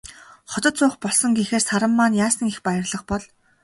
Хотод суух болсон гэхээр Саран маань яасан их баярлах бол.